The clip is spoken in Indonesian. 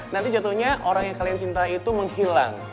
nanti jatuhnya orang yang kalian cintai itu menghilang